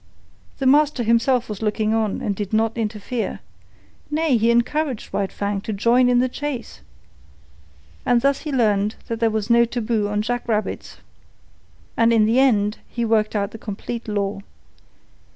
The master himself was looking on and did not interfere. Nay, he encouraged White Fang to join in the chase. And thus he learned that there was no taboo on jackrabbits. In the end he worked out the complete law.